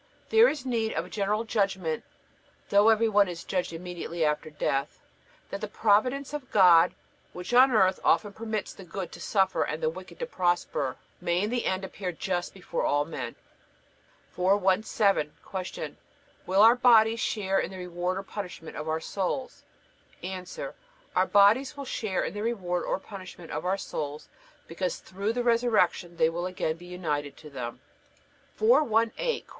There is need of a General Judgment, though every one is judged immediately after death, that the providence of God, which, on earth, often permits the good to suffer and the wicked to prosper, may in the end appear just before all men. 417. Q. Will our bodies share in the reward or punishment of our souls? A. Our bodies will share in the reward or punishment of our souls, because through the resurrection they will again be united to them. 418. Q.